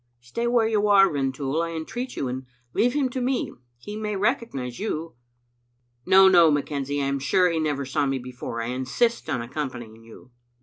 "Stay where you are, Rintoul, I entreat you, and leave him to me. He may recognize you." " No, no, McKenzie, I am sure he never saw me be fore. I insist on accompanying you."